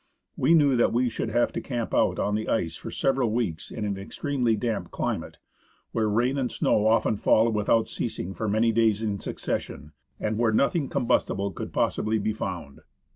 We knew that we should have to camp out on the ice for several weeks in an extremely damp climate, where rain and snow often fall without ceasing for many days in succession and where nothing combustible could possibly be found.